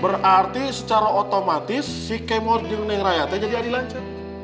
berarti secara otomatis si kemur di neng raya teh jadi adilanjuk